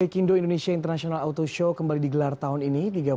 pekindo indonesia international auto show kembali digelar tahun ini